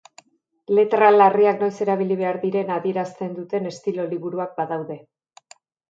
Letra larriak noiz erabili behar diren adierazten duten estilo-liburuak badaude.